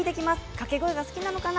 掛け声が好きなのかな。